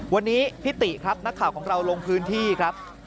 วันนี้พี่ติครับนักข่าวของเราลงพื้นที่ครับ